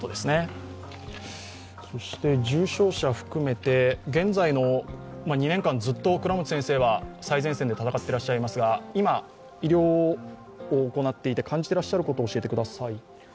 重症者含めて、現在の２年間ずっと倉持先生は最前線で戦っていますが今、医療を行っていて感じていらっしゃることを教えてください。